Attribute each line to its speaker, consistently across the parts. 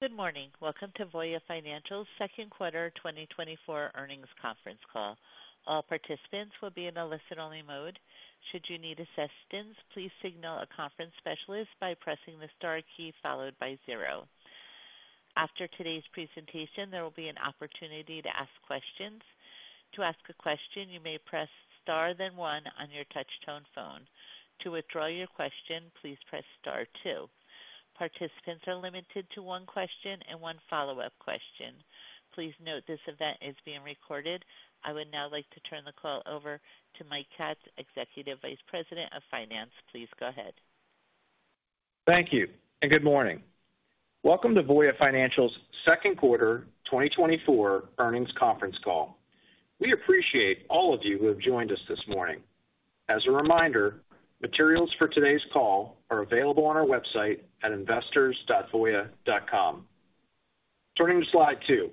Speaker 1: Good morning. Welcome to Voya Financial's Second Quarter 2024 Earnings Conference Call. All participants will be in a listen-only mode. Should you need assistance, please signal a conference specialist by pressing the star key followed by zero. After today's presentation, there will be an opportunity to ask questions. To ask a question, you may press star, then one on your touch-tone phone. To withdraw your question, please press star, two. Participants are limited to one question and one follow-up question. Please note this event is being recorded. I would now like to turn the call over to Mike Katz, Executive Vice President of Finance. Please go ahead.
Speaker 2: Thank you and good morning. Welcome to Voya Financial's Second Quarter 2024 Earnings Conference Call. We appreciate all of you who have joined us this morning. As a reminder, materials for today's call are available on our website at investors.voya.com. Turning to slide two,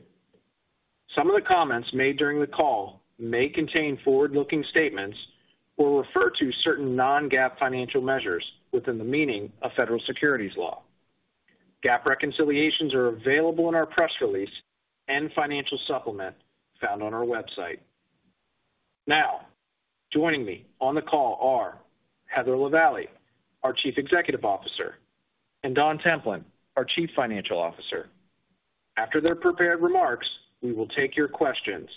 Speaker 2: some of the comments made during the call may contain forward-looking statements or refer to certain non-GAAP financial measures within the meaning of federal securities law. GAAP reconciliations are available in our press release and financial supplement found on our website. Now, joining me on the call are Heather Lavallee, our Chief Executive Officer, and Don Templin, our Chief Financial Officer. After their prepared remarks, we will take your questions.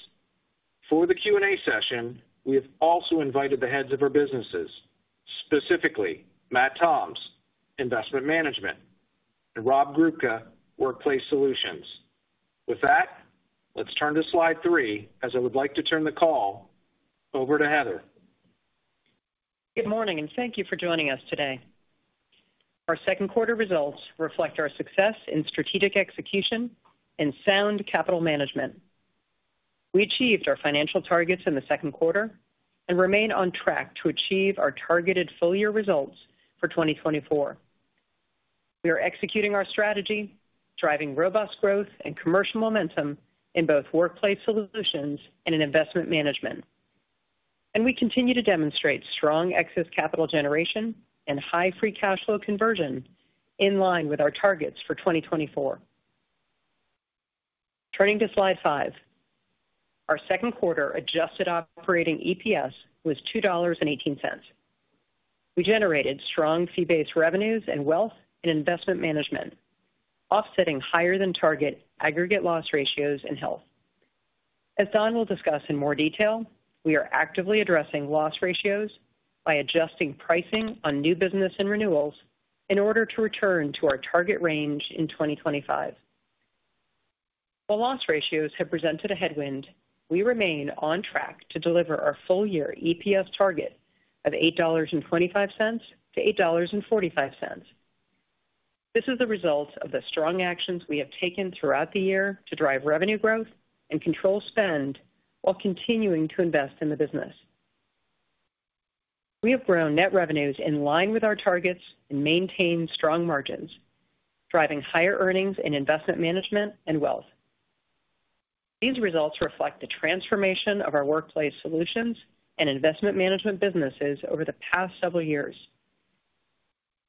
Speaker 2: For the Q&A session, we have also invited the heads of our businesses, specifically Matt Toms, Investment Management, and Rob Grubka, Workplace Solutions. With that, let's turn to slide three, as I would like to turn the call over to Heather.
Speaker 3: Good morning and thank you for joining us today. Our second quarter results reflect our success in strategic execution and sound capital management. We achieved our financial targets in the second quarter and remain on track to achieve our targeted full-year results for 2024. We are executing our strategy, driving robust growth and commercial momentum in both workplace solutions and in Investment Management. We continue to demonstrate strong excess capital generation and high free cash flow conversion in line with our targets for 2024. Turning to slide five, our second quarter adjusted operating EPS was $2.18. We generated strong fee-based revenues and Wealth and Investment Management, offsetting higher-than-target aggregate loss ratios in Health. As Don will discuss in more detail, we are actively addressing loss ratios by adjusting pricing on new business and renewals in order to return to our target range in 2025. While loss ratios have presented a headwind, we remain on track to deliver our full-year EPS target of $8.25-$8.45. This is the result of the strong actions we have taken throughout the year to drive revenue growth and control spend while continuing to invest in the business. We have grown net revenues in line with our targets and maintained strong margins, driving higher earnings in Investment Management and Wealth. These results reflect the transformation of our workplace solutions and Investment Management businesses over the past several years.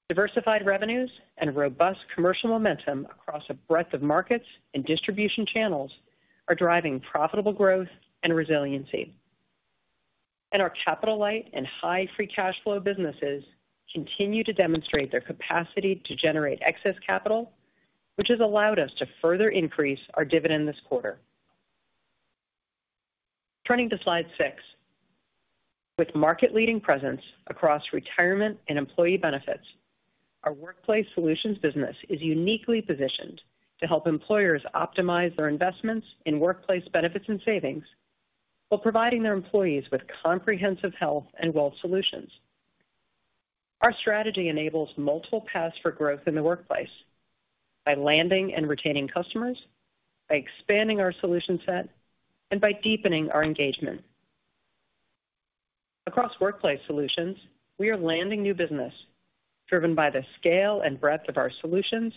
Speaker 3: Diversified revenues and robust commercial momentum across a breadth of markets and distribution channels are driving profitable growth and resiliency. Our capital-light and high free cash flow businesses continue to demonstrate their capacity to generate excess capital, which has allowed us to further increase our dividend this quarter. Turning to slide six, with market-leading presence across Retirement and Employee Benefits, our Workplace Solutions business is uniquely positioned to help employers optimize their investments in workplace benefits and savings while providing their employees with comprehensive Health and Wealth solutions. Our strategy enables multiple paths for growth in the workplace by landing and retaining customers, by expanding our solution set, and by deepening our engagement. Across Workplace Solutions, we are landing new business driven by the scale and breadth of our solutions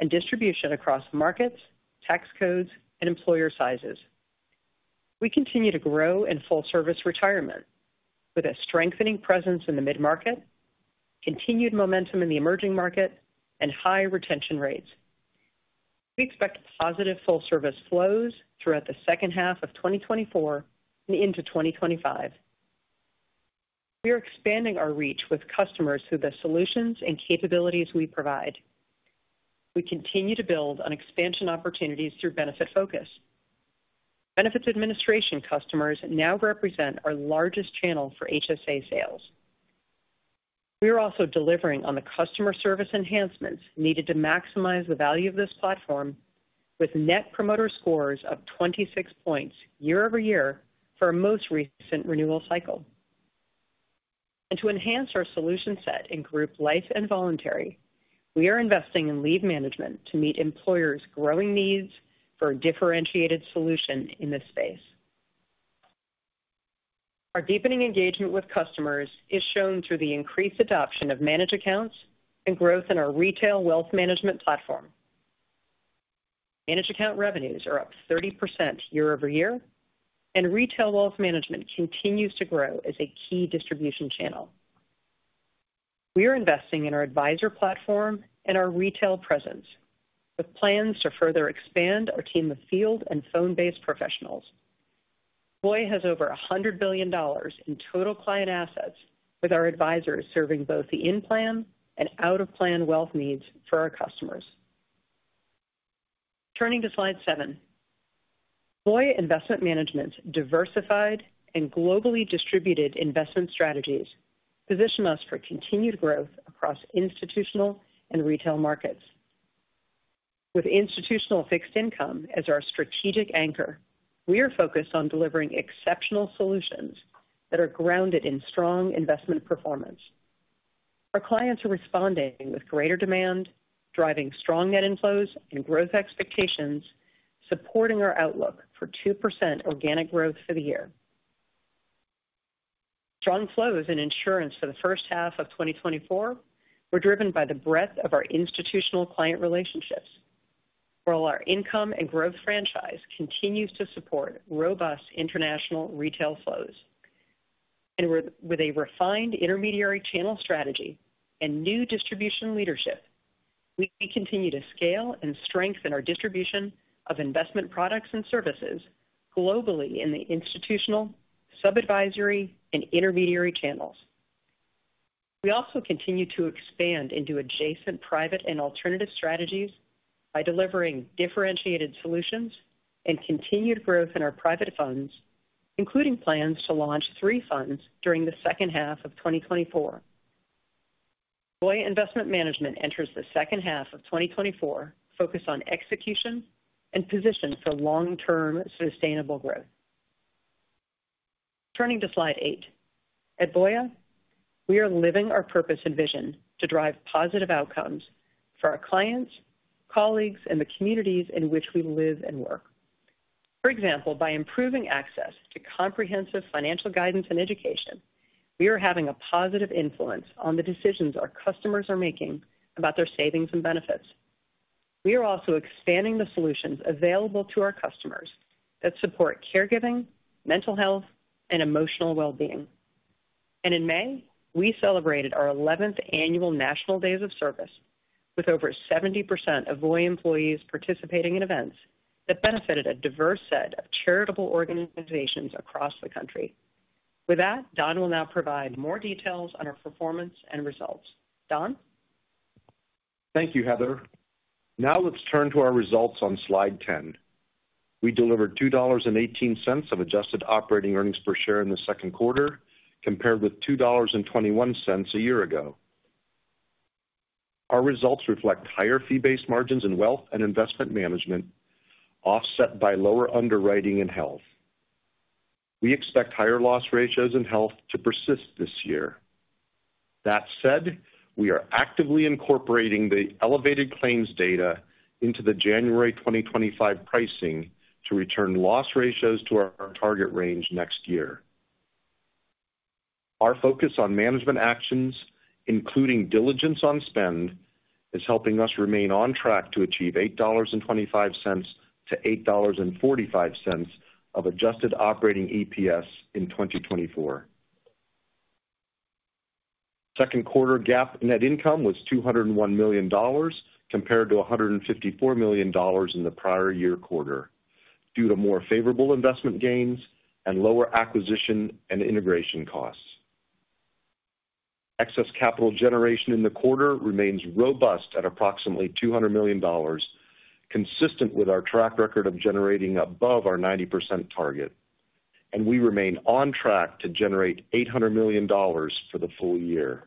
Speaker 3: and distribution across markets, tax codes, and employer sizes. We continue to grow in Full-Service Retirement with a strengthening presence in the mid-market, continued momentum in the emerging market, and high retention rates. We expect positive full-service flows throughout the second half of 2024 and into 2025. We are expanding our reach with customers through the solutions and capabilities we provide. We continue to build on expansion opportunities through Benefitfocus. Benefits administration customers now represent our largest channel for HSA sales. We are also delivering on the customer service enhancements needed to maximize the value of this platform with Net Promoter Scores of 26 points year-over-year for our most recent renewal cycle. And to enhance our solution set in Group Life and Voluntary, we are investing in Leave Management to meet employers' growing needs for a differentiated solution in this space. Our deepening engagement with customers is shown through the increased adoption of Managed Accounts and growth in our Retail Wealth Management platform. Managed account revenues are up 30% year-over-year, and Retail Wealth Management continues to grow as a key distribution channel. We are investing in our advisor platform and our retail presence with plans to further expand our team of field and phone-based professionals. Voya has over $100 billion in total client assets with our advisors serving both the in-plan and out-of-plan Wealth needs for our customers. Turning to slide seven, Voya Investment Management's diversified and globally distributed investment strategies position us for continued growth across institutional and retail markets. With institutional fixed income as our strategic anchor, we are focused on delivering exceptional solutions that are grounded in strong investment performance. Our clients are responding with greater demand, driving strong net inflows and growth expectations, supporting our outlook for 2% organic growth for the year. Strong flows in insurance for the first half of 2024 were driven by the breadth of our institutional client relationships while our income and growth franchise continues to support robust international retail flows. With a refined intermediary channel strategy and new distribution leadership, we continue to scale and strengthen our distribution of investment products and services globally in the institutional, sub-advisory, and intermediary channels. We also continue to expand into adjacent private and alternative strategies by delivering differentiated solutions and continued growth in our private funds, including plans to launch three funds during the second half of 2024. Voya Investment Management enters the second half of 2024 focused on execution and position for long-term sustainable growth. Turning to slide eight, at Voya, we are living our purpose and vision to drive positive outcomes for our clients, colleagues, and the communities in which we live and work. For example, by improving access to comprehensive financial guidance and education, we are having a positive influence on the decisions our customers are making about their savings and benefits. We are also expanding the solutions available to our customers that support caregiving, mental health, and emotional well-being. In May, we celebrated our 11th annual National Days of Service with over 70% of Voya employees participating in events that benefited a diverse set of charitable organizations across the country. With that, Don will now provide more details on our performance and results. Don?
Speaker 4: Thank you, Heather. Now let's turn to our results on slide 10. We delivered $2.18 of adjusted operating earnings per share in the second quarter compared with $2.21 a year ago. Our results reflect higher fee-based margins in Wealth and Investment Management offset by lower underwriting in Health. We expect higher loss ratios in Health to persist this year. That said, we are actively incorporating the elevated claims data into the January 2025 pricing to return loss ratios to our target range next year. Our focus on management actions, including diligence on spend, is helping us remain on track to achieve $8.25-$8.45 of adjusted operating EPS in 2024. Second quarter GAAP net income was $201 million compared to $154 million in the prior year quarter due to more favorable investment gains and lower acquisition and integration costs. Excess capital generation in the quarter remains robust at approximately $200 million, consistent with our track record of generating above our 90% target. We remain on track to generate $800 million for the full year.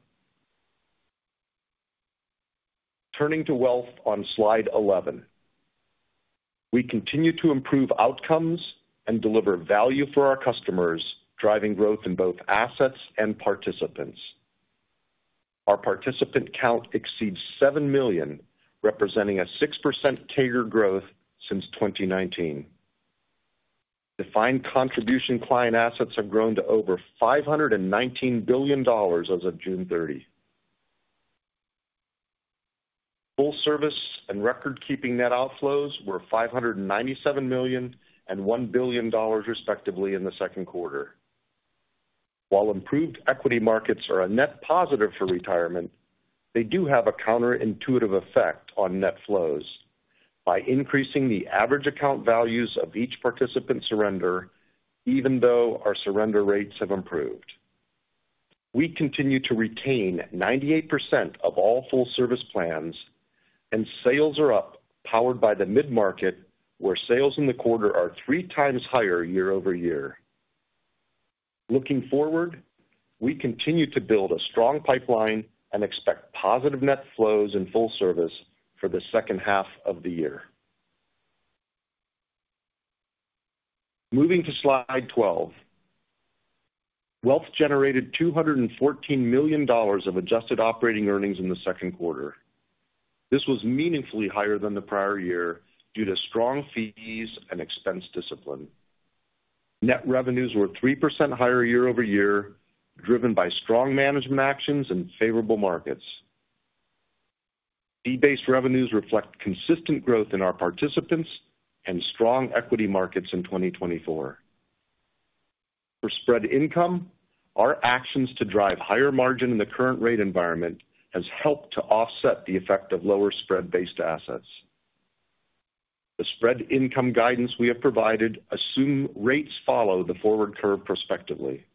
Speaker 4: Turning to Wealth on slide 11, we continue to improve outcomes and deliver value for our customers, driving growth in both assets and participants. Our participant count exceeds 7 million, representing a 6% CAGR growth since 2019. Defined contribution client assets have grown to over $519 billion as of June 30. Full service and record-keeping net outflows were $597 million and $1 billion, respectively, in the second quarter. While improved equity markets are a net positive for retirement, they do have a counterintuitive effect on net flows by increasing the average account values of each participant surrender, even though our surrender rates have improved. We continue to retain 98% of all full-service plans, and sales are up, powered by the mid-market, where sales in the quarter are 3x higher year-over-year. Looking forward, we continue to build a strong pipeline and expect positive net flows in full service for the second half of the year. Moving to slide 12, Wealth generated $214 million of adjusted operating earnings in the second quarter. This was meaningfully higher than the prior year due to strong fees and expense discipline. Net revenues were 3% higher year-over-year, driven by strong management actions and favorable markets. Fee-based revenues reflect consistent growth in our participants and strong equity markets in 2024. For spread income, our actions to drive higher margin in the current rate environment have helped to offset the effect of lower spread-based assets. The spread income guidance we have provided assumes rates follow the forward curve prospectively.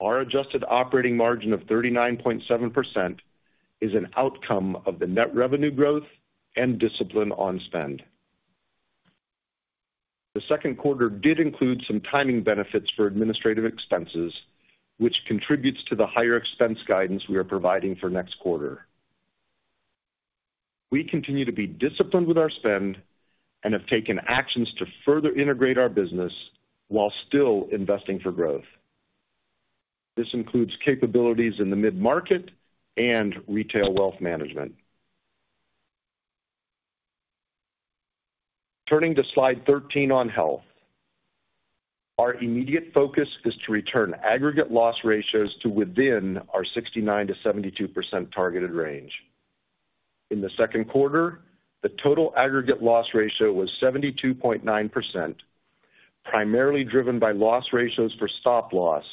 Speaker 4: Our adjusted operating margin of 39.7% is an outcome of the net revenue growth and discipline on spend. The second quarter did include some timing benefits for administrative expenses, which contributes to the higher expense guidance we are providing for next quarter. We continue to be disciplined with our spend and have taken actions to further integrate our business while still investing for growth. This includes capabilities in the mid-market and Retail Wealth Management. Turning to slide 13 on Health, our immediate focus is to return aggregate loss ratios to within our 69%-72% targeted range. In the second quarter, the total aggregate loss ratio was 72.9%, primarily driven by loss ratios for Stop Loss,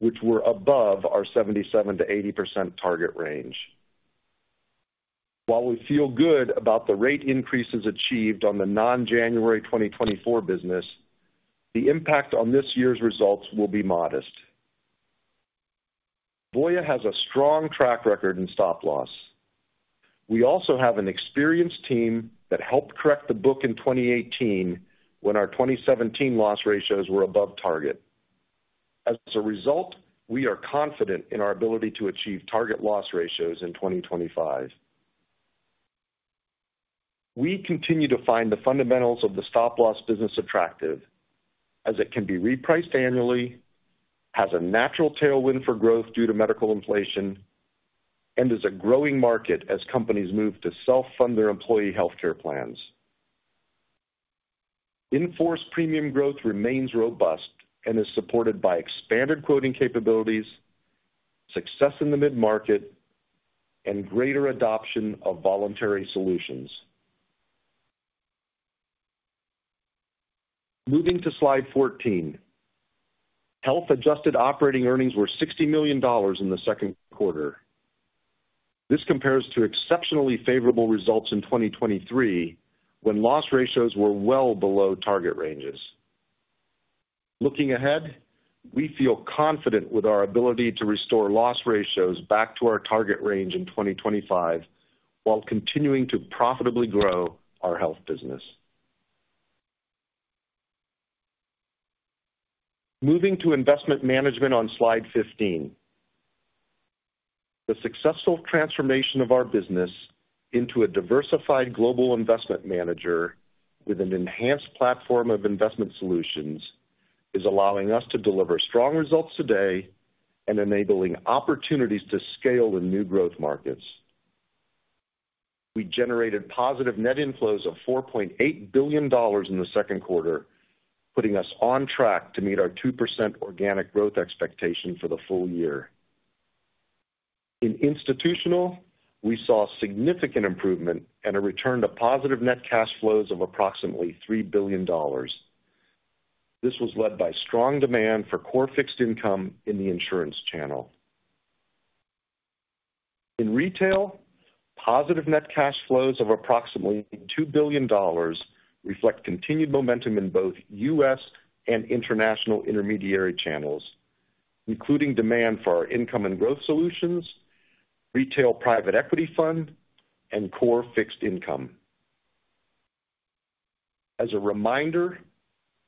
Speaker 4: which were above our 77%-80% target range. While we feel good about the rate increases achieved on the non-January 2024 business, the impact on this year's results will be modest. Voya has a strong track record in Stop Loss. We also have an experienced team that helped correct the book in 2018 when our 2017 loss ratios were above target. As a result, we are confident in our ability to achieve target loss ratios in 2025. We continue to find the fundamentals of the Stop Loss business attractive as it can be repriced annually, has a natural tailwind for growth due to medical inflation, and is a growing market as companies move to self-fund their employee healthcare plans. Enforced premium growth remains robust and is supported by expanded quoting capabilities, success in the mid-market, and greater adoption of voluntary solutions. Moving to slide 14, Health adjusted operating earnings were $60 million in the second quarter. This compares to exceptionally favorable results in 2023 when loss ratios were well below target ranges. Looking ahead, we feel confident with our ability to restore loss ratios back to our target range in 2025 while continuing to profitably grow our Health business. Moving to Investment Management on slide 15, the successful transformation of our business into a diversified global investment manager with an enhanced platform of investment solutions is allowing us to deliver strong results today and enabling opportunities to scale in new growth markets. We generated positive net inflows of $4.8 billion in the second quarter, putting us on track to meet our 2% organic growth expectation for the full year. In institutional, we saw significant improvement and a return to positive net cash flows of approximately $3 billion. This was led by strong demand for core fixed income in the insurance channel. In retail, positive net cash flows of approximately $2 billion reflect continued momentum in both U.S. and international intermediary channels, including demand for our income and growth solutions, retail private equity fund, and core fixed income. As a reminder,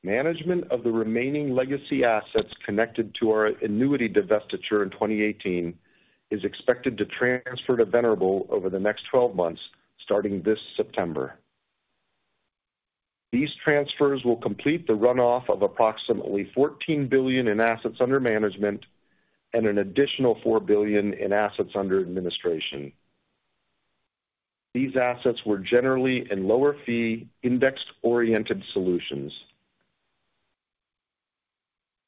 Speaker 4: management of the remaining legacy assets connected to our annuity divestiture in 2018 is expected to transfer to Venerable over the next 12 months starting this September. These transfers will complete the runoff of approximately $14 billion in assets under management and an additional $4 billion in assets under administration. These assets were generally in lower fee indexed-oriented solutions.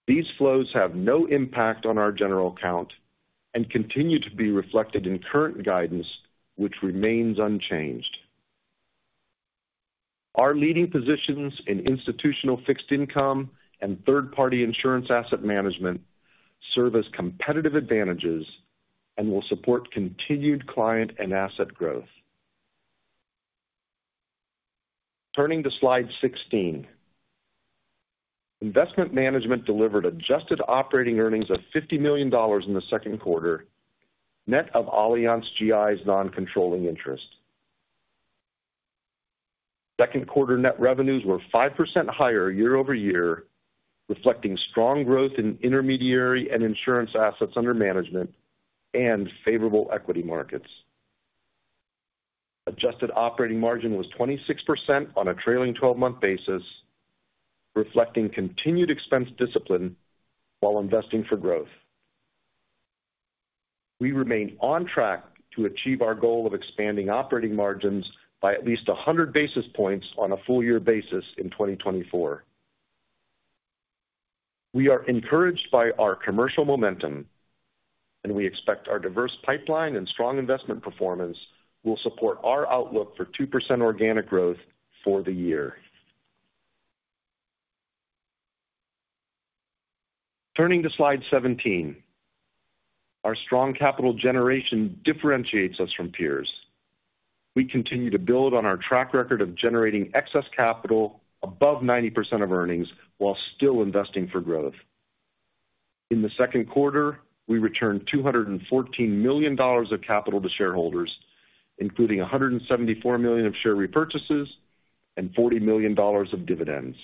Speaker 4: These flows have no impact on our general account and continue to be reflected in current guidance, which remains unchanged. Our leading positions in institutional fixed income and third-party insurance asset management serve as competitive advantages and will support continued client and asset growth. Turning to slide 16, Investment Management delivered adjusted operating earnings of $50 million in the second quarter, net of Allianz GI's non-controlling interest. Second quarter net revenues were 5% higher year-over-year, reflecting strong growth in intermediary and insurance assets under management and favorable equity markets. Adjusted operating margin was 26% on a trailing 12-month basis, reflecting continued expense discipline while investing for growth. We remain on track to achieve our goal of expanding operating margins by at least 100 basis points on a full-year basis in 2024. We are encouraged by our commercial momentum, and we expect our diverse pipeline and strong investment performance will support our outlook for 2% organic growth for the year. Turning to slide 17, our strong capital generation differentiates us from peers. We continue to build on our track record of generating excess capital above 90% of earnings while still investing for growth. In the second quarter, we returned $214 million of capital to shareholders, including $174 million of share repurchases and $40 million of dividends.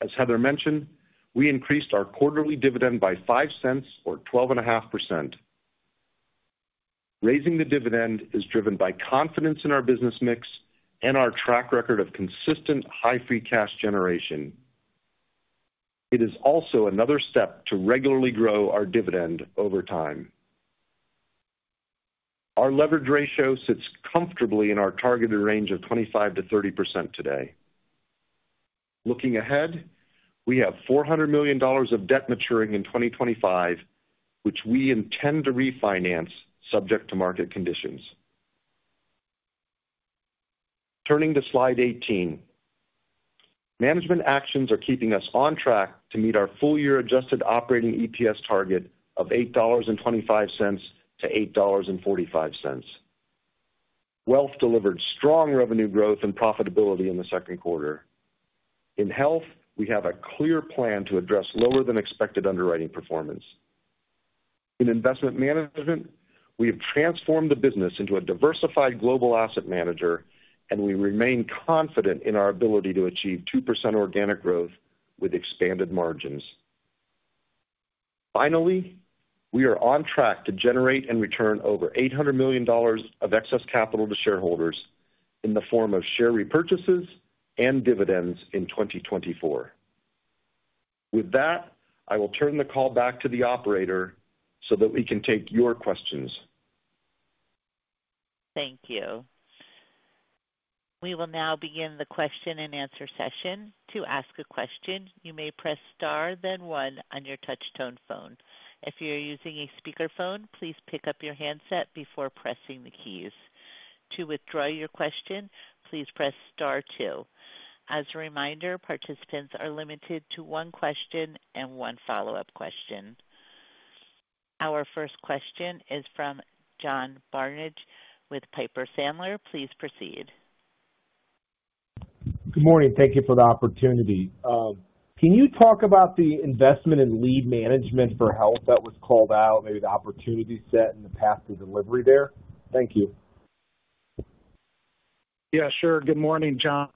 Speaker 4: As Heather mentioned, we increased our quarterly dividend by $0.05 or 12.5%. Raising the dividend is driven by confidence in our business mix and our track record of consistent high free cash generation. It is also another step to regularly grow our dividend over time. Our leverage ratio sits comfortably in our targeted range of 25%-30% today. Looking ahead, we have $400 million of debt maturing in 2025, which we intend to refinance subject to market conditions. Turning to slide 18, management actions are keeping us on track to meet our full-year adjusted operating EPS target of $8.25-$8.45. Wealth delivered strong revenue growth and profitability in the second quarter. In Health, we have a clear plan to address lower-than-expected underwriting performance. In Investment Management, we have transformed the business into a diversified global asset manager, and we remain confident in our ability to achieve 2% organic growth with expanded margins. Finally, we are on track to generate and return over $800 million of excess capital to shareholders in the form of share repurchases and dividends in 2024. With that, I will turn the call back to the operator so that we can take your questions.
Speaker 1: Thank you. We will now begin the question and answer session. To ask a question, you may press star, then one on your touch-tone phone. If you're using a speakerphone, please pick up your handset before pressing the keys. To withdraw your question, please press star two. As a reminder, participants are limited to one question and one follow-up question. Our first question is from John Barnidge with Piper Sandler. Please proceed.
Speaker 5: Good morning. Thank you for the opportunity. Can you talk about the investment in Leave Management for Health that was called out, maybe the opportunity set and the path to delivery there? Thank you.
Speaker 6: Yeah, sure. Good morning, John.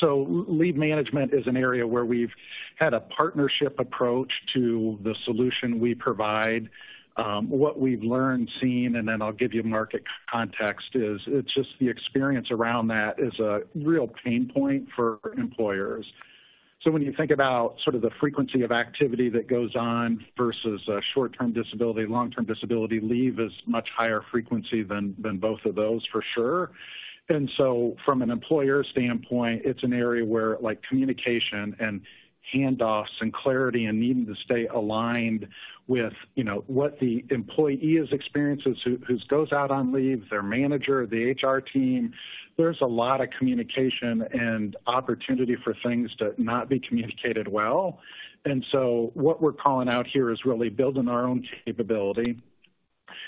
Speaker 6: So Leave Management is an area where we've had a partnership approach to the solution we provide. What we've learned, seen, and then I'll give you market context, is it's just the experience around that is a real pain point for employers. So when you think about sort of the frequency of activity that goes on versus short-term disability, long-term disability leave is much higher frequency than both of those, for sure. And so from an employer standpoint, it's an area where communication and handoffs and clarity and needing to stay aligned with what the employee's experience is, who goes out on leave, their manager, the HR team. There's a lot of communication and opportunity for things to not be communicated well. So what we're calling out here is really building our own capability,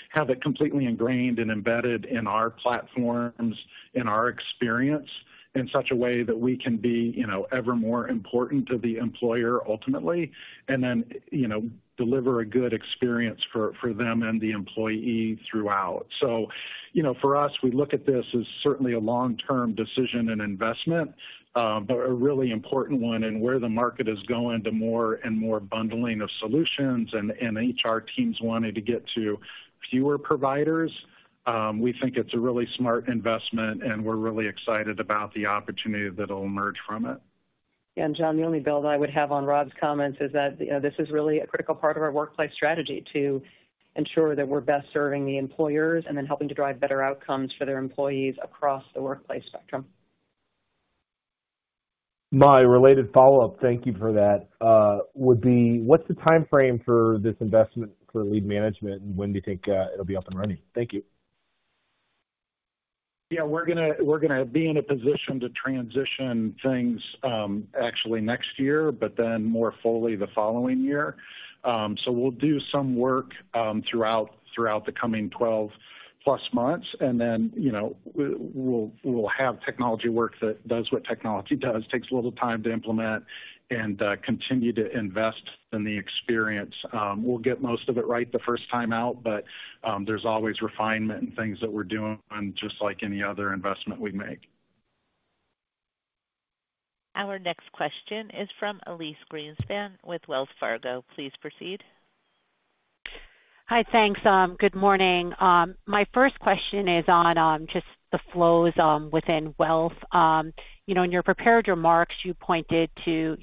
Speaker 6: have it completely ingrained and embedded in our platforms, in our experience, in such a way that we can be ever more important to the employer ultimately, and then deliver a good experience for them and the employee throughout. For us, we look at this as certainly a long-term decision and investment, but a really important one in where the market is going to more and more bundling of solutions. HR teams wanted to get to fewer providers. We think it's a really smart investment, and we're really excited about the opportunity that will emerge from it.
Speaker 3: John, the only build I would have on Rob's comments is that this is really a critical part of our workplace strategy to ensure that we're best serving the employers and then helping to drive better outcomes for their employees across the workplace spectrum.
Speaker 5: My related follow-up, thank you for that, would be, what's the timeframe for this investment for Leave Management, and when do you think it'll be up and running? Thank you.
Speaker 6: Yeah, we're going to be in a position to transition things actually next year, but then more fully the following year. So we'll do some work throughout the coming 12+ months, and then we'll have technology work that does what technology does, takes a little time to implement, and continue to invest in the experience. We'll get most of it right the first time out, but there's always refinement and things that we're doing, just like any other investment we make.
Speaker 1: Our next question is from Elyse Greenspan with Wells Fargo. Please proceed.
Speaker 7: Hi, thanks. Good morning. My first question is on just the flows within Wealth. In your prepared remarks, you pointed to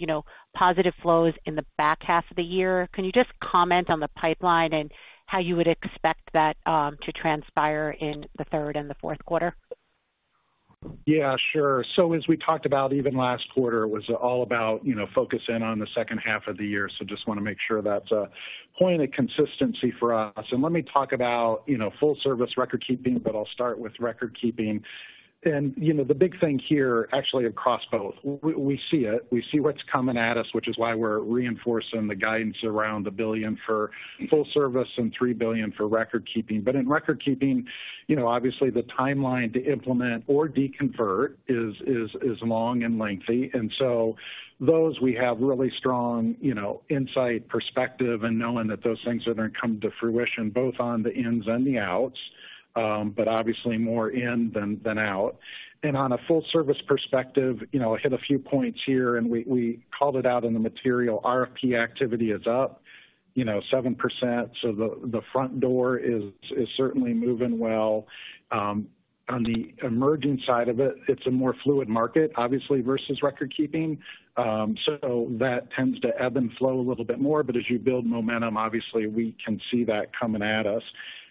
Speaker 7: positive flows in the back half of the year. Can you just comment on the pipeline and how you would expect that to transpire in the third and the fourth quarter?
Speaker 6: Yeah, sure. So as we talked about, even last quarter was all about focusing on the second half of the year. So just want to make sure that's a point of consistency for us. And let me talk about full-service record keeping, but I'll start with record keeping. And the big thing here, actually across both, we see it. We see what's coming at us, which is why we're reinforcing the guidance around the $1 billion for full service and $3 billion for record keeping. But in record keeping, obviously the timeline to implement or deconvert is long and lengthy. And so those we have really strong insight, perspective, and knowing that those things are going to come to fruition both on the ins and the outs, but obviously more in than out. And on a full-service perspective, I hit a few points here, and we called it out in the material. RFP activity is up 7%, so the front door is certainly moving well. On the emerging side of it, it's a more fluid market, obviously, versus record keeping. So that tends to ebb and flow a little bit more, but as you build momentum, obviously we can see that coming at us.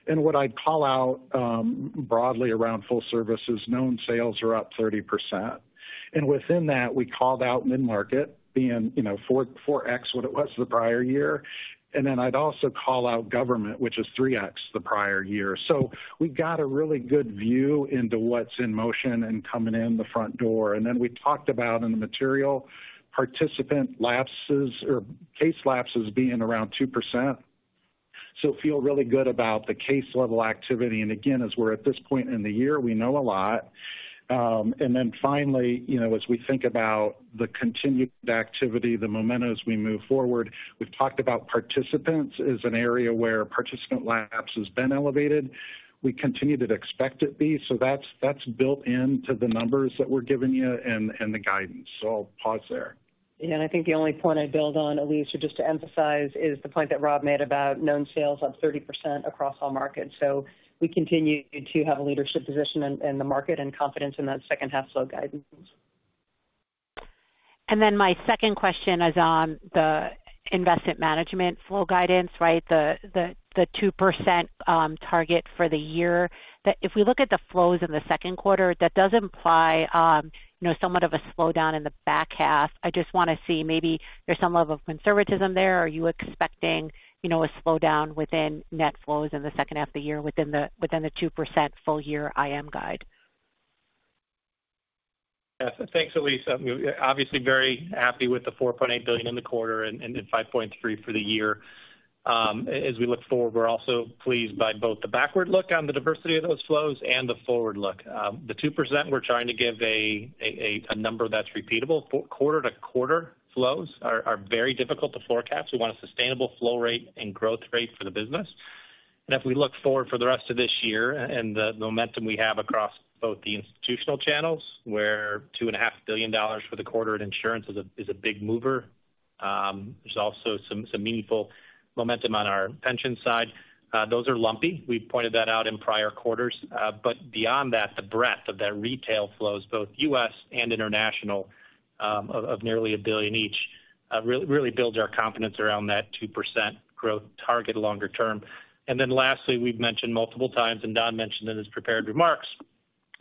Speaker 6: And what I'd call out broadly around full service is known sales are up 30%. And within that, we called out mid-market being 4x what it was the prior year. And then I'd also call out government, which is 3x the prior year. So we've got a really good view into what's in motion and coming in the front door. And then we talked about in the material, participant lapses or case lapses being around 2%. So feel really good about the case-level activity. And again, as we're at this point in the year, we know a lot. And then finally, as we think about the continued activity, the momentum as we move forward, we've talked about participants as an area where participant lapses has been elevated. We continue to expect it to be. So that's built into the numbers that we're giving you and the guidance. So I'll pause there.
Speaker 3: Yeah, and I think the only point I'd build on, Elyse, or just to emphasize is the point that Rob made about known sales up 30% across all markets. So we continue to have a leadership position in the market and confidence in that second-half flow guidance.
Speaker 7: And then my second question is on the Investment Management flow guidance, right? The 2% target for the year. If we look at the flows in the second quarter, that does imply somewhat of a slowdown in the back half. I just want to see maybe there's some level of conservatism there. Are you expecting a slowdown within net flows in the second half of the year within the 2% full-year IM guide?
Speaker 8: Yes. Thanks, Elyse. Obviously, very happy with the $4.8 billion in the quarter and $5.3 billion for the year. As we look forward, we're also pleased by both the backward look on the diversity of those flows and the forward look. The 2%, we're trying to give a number that's repeatable. Quarter-to-quarter flows are very difficult to forecast. We want a sustainable flow rate and growth rate for the business. And if we look forward for the rest of this year and the momentum we have across both the institutional channels, where $2.5 billion for the quarter in insurance is a big mover, there's also some meaningful momentum on our pension side. Those are lumpy. We pointed that out in prior quarters. But beyond that, the breadth of that retail flows, both U.S. and international, of nearly $1 billion each, really builds our confidence around that 2% growth target longer term. And then lastly, we've mentioned multiple times, and Don mentioned in his prepared remarks,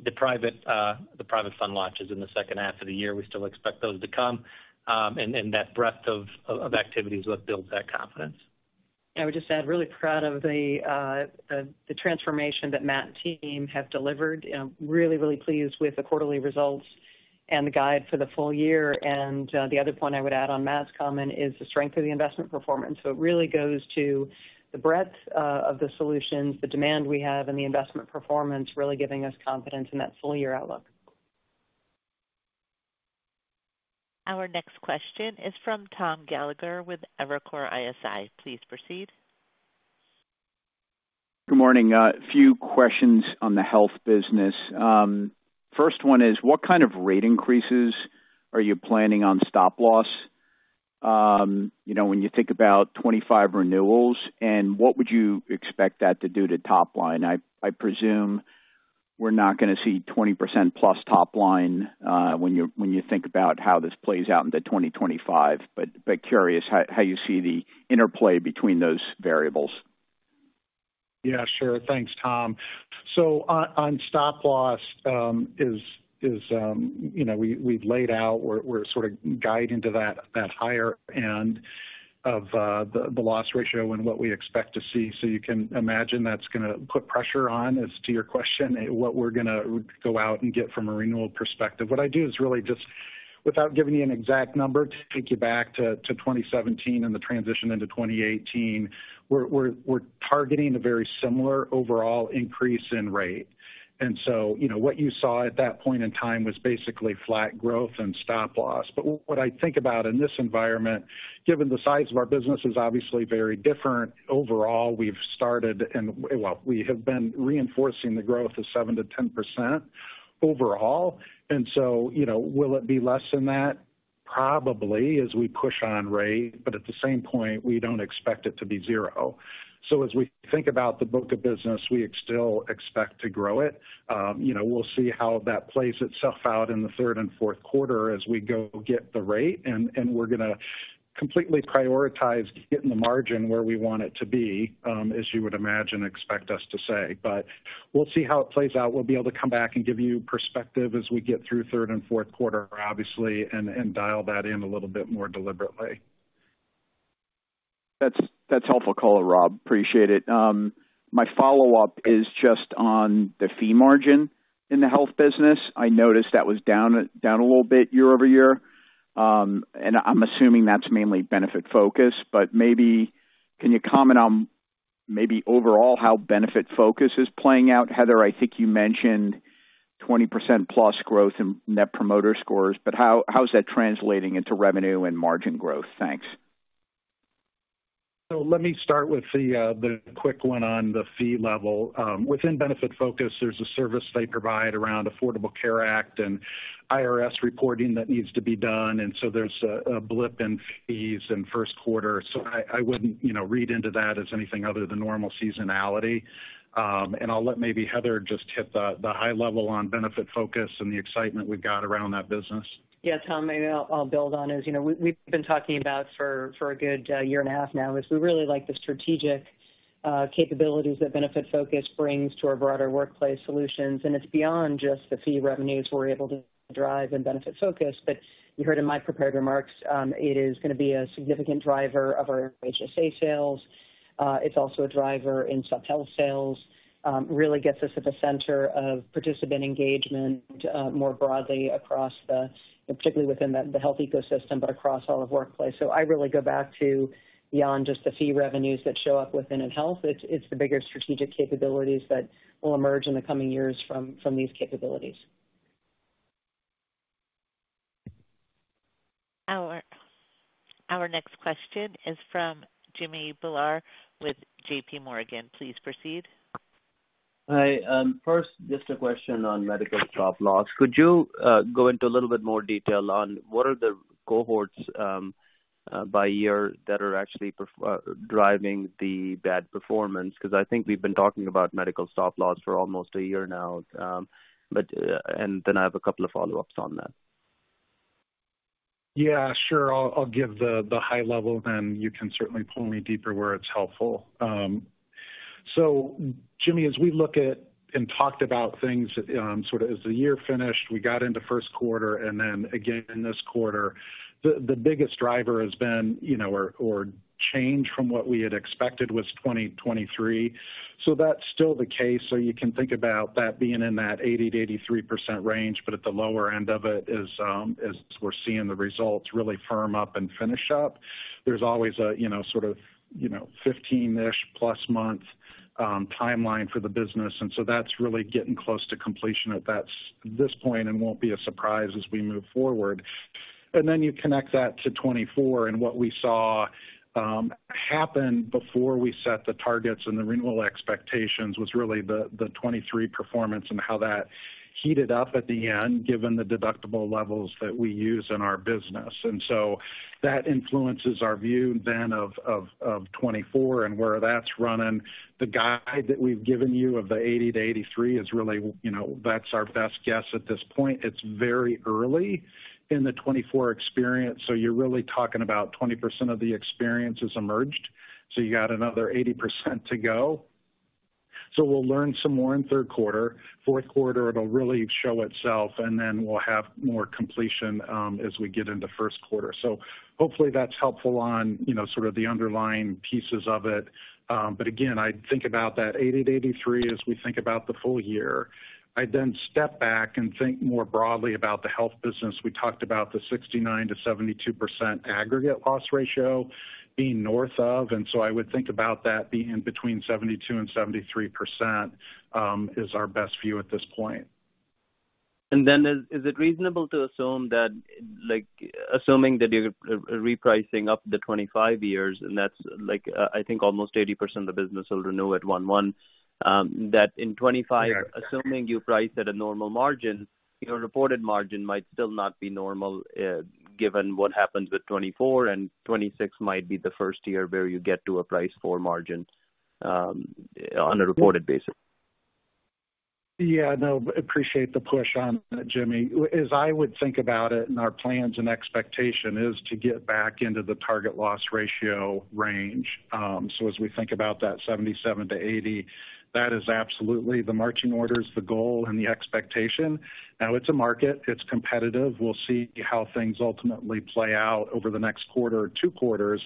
Speaker 8: the private fund launches in the second half of the year. We still expect those to come. And that breadth of activity is what builds that confidence.
Speaker 3: I would just add, really proud of the transformation that Matt and team have delivered. Really, really pleased with the quarterly results and the guide for the full year. And the other point I would add on Matt's comment is the strength of the investment performance. So it really goes to the breadth of the solutions, the demand we have, and the investment performance really giving us confidence in that full-year outlook.
Speaker 1: Our next question is from Tom Gallagher with Evercore ISI. Please proceed.
Speaker 9: Good morning. A few questions on the Health business. First one is, what kind of rate increases are you planning on Stop Loss when you think about 25 renewals? And what would you expect that to do to top line? I presume we're not going to see 20%+ top line when you think about how this plays out into 2025, but curious how you see the interplay between those variables.
Speaker 6: Yeah, sure. Thanks, Tom. So on Stop Loss, we've laid out, we're sort of guiding to that higher end of the loss ratio and what we expect to see. So you can imagine that's going to put pressure on, as to your question, what we're going to go out and get from a renewal perspective. What I do is really just, without giving you an exact number, take you back to 2017 and the transition into 2018, we're targeting a very similar overall increase in rate. What you saw at that point in time was basically flat growth in Stop Loss. But what I think about in this environment, given the size of our business is obviously very different overall, we've started, and well, we have been reinforcing the growth of 7%-10% overall. And so will it be less than that? Probably, as we push on rate, but at the same point, we don't expect it to be zero. So as we think about the book of business, we still expect to grow it. We'll see how that plays itself out in the third and fourth quarter as we go get the rate. And we're going to completely prioritize getting the margin where we want it to be, as you would imagine, expect us to say. But we'll see how it plays out. We'll be able to come back and give you perspective as we get through third and fourth quarter, obviously, and dial that in a little bit more deliberately.
Speaker 9: That's helpful. Call it, Rob. Appreciate it. My follow-up is just on the fee margin in the Health business. I noticed that was down a little bit year-over-year. And I'm assuming that's mainly Benefitfocus. But maybe can you comment on maybe overall how Benefitfocus is playing out? Heather, I think you mentioned 20%+ growth in net promoter scores, but how is that translating into revenue and margin growth? Thanks.
Speaker 6: So let me start with the quick one on the fee level. Within Benefitfocus, there's a service they provide around Affordable Care Act and IRS reporting that needs to be done. And so there's a blip in fees in first quarter. So I wouldn't read into that as anything other than normal seasonality. And I'll let maybe Heather just hit the high level on Benefitfocus and the excitement we've got around that business.
Speaker 3: Yeah, Tom, maybe I'll build on as we've been talking about for a good year and a half now is we really like the strategic capabilities that Benefitfocus brings to our broader workplace solutions. And it's beyond just the fee revenues we're able to drive in Benefitfocus. But you heard in my prepared remarks, it is going to be a significant driver of our HSA sales. It's also a driver in Supp Health sales. Really gets us at the center of participant engagement more broadly across the, particularly within the Health ecosystem, but across all of workplace. So I really go back to beyond just the fee revenues that show up within Health, it's the bigger strategic capabilities that will emerge in the coming years from these capabilities.
Speaker 1: Our next question is from Jimmy Bhullar with J.P. Morgan. Please proceed.
Speaker 10: Hi. First, just a question on Medical Stop Loss. Could you go into a little bit more detail on what are the cohorts by year that are actually driving the bad performance? Because I think we've been talking about Medical Stop Loss for almost a year now. And then I have a couple of follow-ups on that.
Speaker 6: Yeah, sure. I'll give the high level, and you can certainly pull me deeper where it's helpful. So Jimmy, as we look at and talked about things sort of as the year finished, we got into first quarter, and then again this quarter, the biggest driver has been our change from what we had expected was 2023. So that's still the case. So you can think about that being in that 80%-83% range, but at the lower end of it is we're seeing the results really firm up and finish up. There's always a sort of 15-ish plus month timeline for the business. And so that's really getting close to completion at this point and won't be a surprise as we move forward. And then you connect that to 2024 and what we saw happen before we set the targets and the renewal expectations was really the 2023 performance and how that heated up at the end given the deductible levels that we use in our business. And so that influences our view then of 2024 and where that's running. The guide that we've given you of the 80%-83% is really that's our best guess at this point. It's very early in the 2024 experience. So you're really talking about 20% of the experience has emerged. So you got another 80% to go. So we'll learn some more in third quarter. Fourth quarter, it'll really show itself, and then we'll have more completion as we get into first quarter. So hopefully that's helpful on sort of the underlying pieces of it. But again, I think about that 80%-83% as we think about the full year. I then step back and think more broadly about the Health business. We talked about the 69%-72% aggregate loss ratio being north of. And so I would think about that being between 72% and 73% is our best view at this point.
Speaker 10: And then is it reasonable to assume that assuming that you're repricing in 2025, and that's like I think almost 80% of the business will renew at 1/1 that in 2025, assuming you price at a normal margin, your reported margin might still not be normal given what happens with 2024, and 2026 might be the first year where you get to a priced-for margin on a reported basis.
Speaker 6: Yeah, no, appreciate the push on that, Jimmy. As I would think about it, and our plans and expectation is to get back into the target loss ratio range. So as we think about that 77%-80%, that is absolutely the marching orders, the goal, and the expectation. Now it's a market. It's competitive. We'll see how things ultimately play out over the next quarter or two quarters,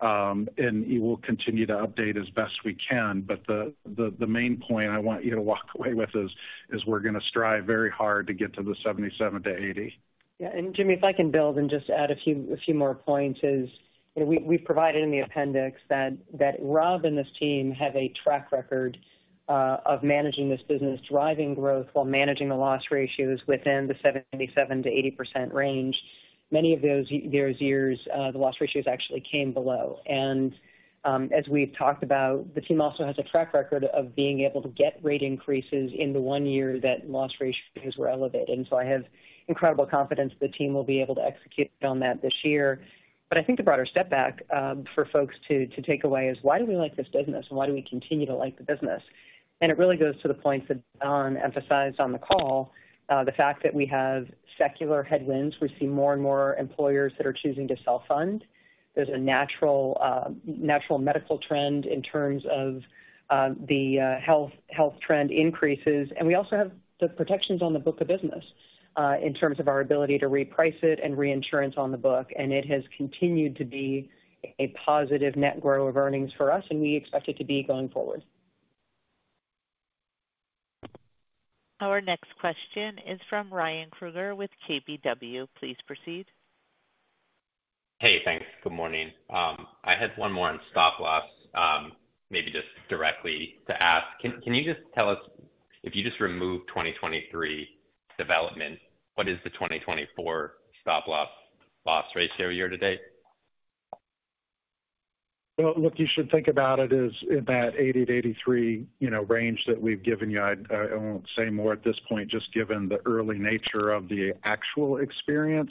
Speaker 6: and we'll continue to update as best we can. But the main point I want you to walk away with is we're going to strive very hard to get to the 77%-80%.
Speaker 3: Yeah. And Jimmy, if I can build and just add a few more points is we've provided in the appendix that Rob and this team have a track record of managing this business, driving growth while managing the loss ratios within the 77%-80% range. Many of those years, the loss ratios actually came below. And as we've talked about, the team also has a track record of being able to get rate increases in the one year that loss ratios were elevated. And so I have incredible confidence the team will be able to execute on that this year. But I think the broader step back for folks to take away is why do we like this business and why do we continue to like the business? And it really goes to the points that Don emphasized on the call, the fact that we have secular headwinds. We see more and more employers that are choosing to self-fund. There's a natural medical trend in terms of the Health trend increases. And we also have the protections on the book of business in terms of our ability to reprice it and reinsurance on the book. And it has continued to be a positive net growth of earnings for us, and we expect it to be going forward.
Speaker 1: Our next question is from Ryan Krueger with KBW. Please proceed.
Speaker 11: Hey, thanks. Good morning. I had one more on Stop Loss, maybe just directly to ask. Can you just tell us, if you just remove 2023 development, what is the 2024 Stop Loss ratio year to date?
Speaker 6: Well, look, you should think about it as in that 80%-83% range that we've given you. I won't say more at this point, just given the early nature of the actual experience.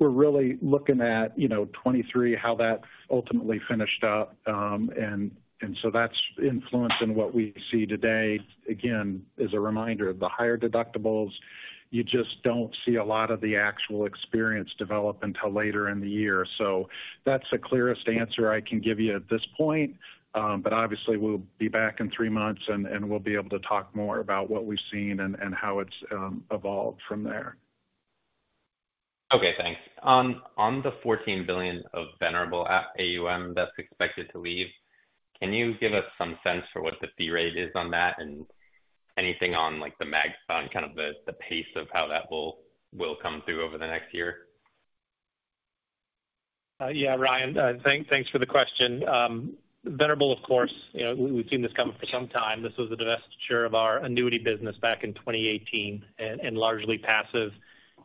Speaker 6: We're really looking at 2023, how that ultimately finished up. And so that's influencing what we see today. Again, as a reminder of the higher deductibles, you just don't see a lot of the actual experience develop until later in the year. So that's the clearest answer I can give you at this point. But obviously, we'll be back in three months, and we'll be able to talk more about what we've seen and how it's evolved from there.
Speaker 11: Okay, thanks. On the $14 billion of Venerable AUM that's expected to leave, can you give us some sense for what the fee rate is on that and anything on the margin, on kind of the pace of how that will come through over the next year?
Speaker 8: Yeah, Ryan, thanks for the question. Venerable, of course, we've seen this come up for some time. This was the divestiture of our annuity business back in 2018 and largely passive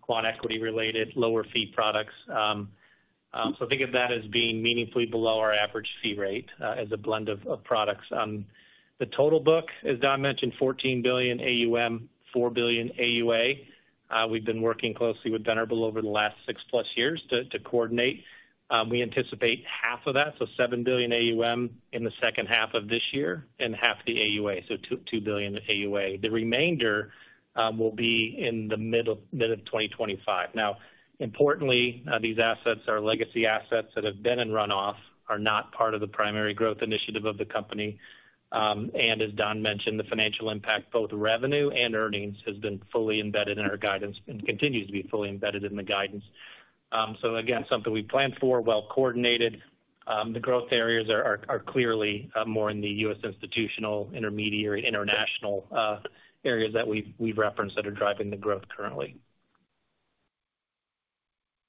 Speaker 8: quant equity-related lower fee products. So think of that as being meaningfully below our average fee rate as a blend of products. The total book, as Don mentioned, $14 billion AUM, $4 billion AUA. We've been working closely with Venerable over the last six plus years to coordinate. We anticipate half of that, so $7 billion AUM in the second half of this year and half the AUA, so $2 billion AUA. The remainder will be in mid-2025. Now, importantly, these assets are legacy assets that have been in runoff, are not part of the primary growth initiative of the company. And as Don mentioned, the financial impact, both revenue and earnings, has been fully embedded in our guidance and continues to be fully embedded in the guidance. So again, something we planned for, well-coordinated. The growth areas are clearly more in the U.S. institutional, intermediary, international areas that we've referenced that are driving the growth currently.